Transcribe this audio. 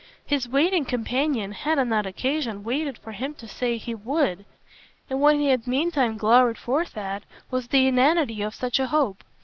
His waiting companion had on that occasion waited for him to say he WOULD; and what he had meantime glowered forth at was the inanity of such a hope.